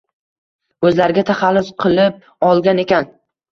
o’zlariga taxallus kilib olgan ekan.